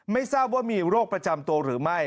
ไม่ทราบว่ามีโรคประจำตัวหรือไม่